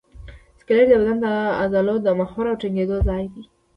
سکلیټ د بدن د عضلو د محور او ټینګېدو ځای دی.